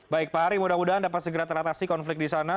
baik pak ari mudah mudahan dapat segera teratasi konflik di sana